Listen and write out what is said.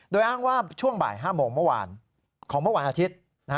โดยอ้างว่าช่วงบ่าย๕โมงเมื่อวานของเมื่อวันอาทิตย์